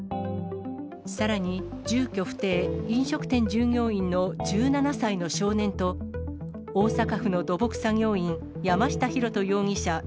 さらに、住居不定・飲食店従業員の１７歳の少年と、大阪府の土木作業員、山下弘人容疑者